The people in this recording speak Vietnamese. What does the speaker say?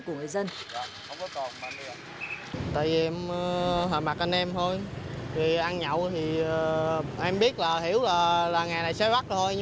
của người dân